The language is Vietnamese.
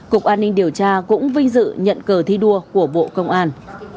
cục an ninh điều tra cũng vinh dự nhận cờ thi đua của bộ công an